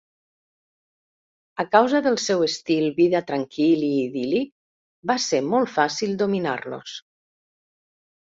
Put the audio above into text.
A causa del seu estil vida tranquil i idíl·lic, va ser molt fàcil dominar-los.